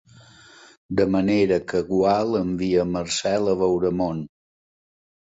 De manera que Gual envia Marcel a veure món.